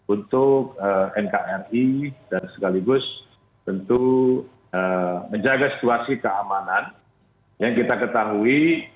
untuk nkri dan sekaligus tentu menjaga situasi keamanan yang kita ketahui